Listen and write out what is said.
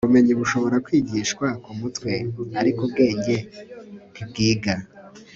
ubumenyi bushobora kwigishwa ku mutwe, ariko ubwenge ntibwiga